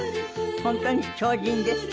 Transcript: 本当に超人です。